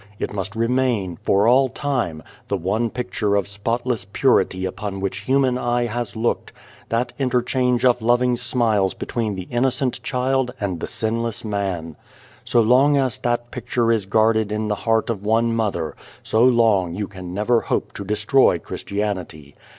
It must remain, for all time, the one picture of spotless purity upon which human eye has looked that inter change of loving smiles between the innocent child and the sinless Man. So long as that picture is guarded in the heart of one mother, so long you can never hope to destroy Christianity.